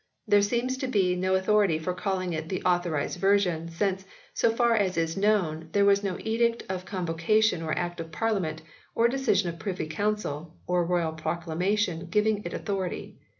There seems to be no authority for calling it the "Authorised Version," since, so far as is known, there was no Edict of Con vocation, or Act of Parliament, or decision of Privy Council, or royal proclamation giving it authority.